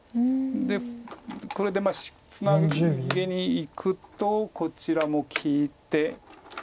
でこれでツナギにいくとこちらも利いて。